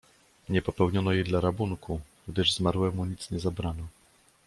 "Nie popełniono jej dla rabunku, gdyż zmarłemu nic nie zabrano."